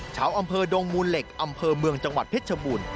ชาวอำเภอดงมูลเหล็กอำเภอเมืองจังหวัดเพชรชบูรณ์